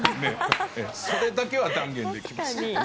それだけは断言できます。